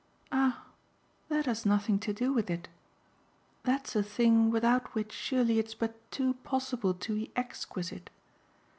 Ah that has nothing to do with it; that's a thing without which surely it's but too possible to be exquisite.